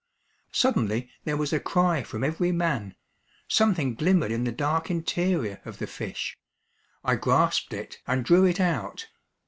Suddenly there was a cry from every man. Something glimmered in the dark interior of the fish. I grasped it and drew it out.